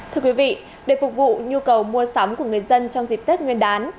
thưa quý vị để phục vụ nhu cầu mua sắm của người dân trong dịp tết nguyên đán